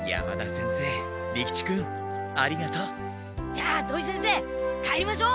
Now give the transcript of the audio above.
じゃあ土井先生帰りましょう！